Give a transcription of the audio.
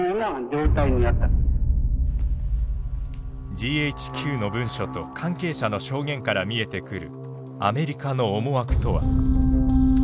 ＧＨＱの文書と関係者の証言から見えてくるアメリカの思惑とは。